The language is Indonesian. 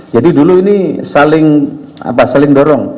jadi dulu ini saling dorong